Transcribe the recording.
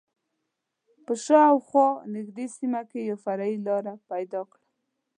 په شا او خوا نږدې سیمه کې یوه فرعي لاره پیدا کړم.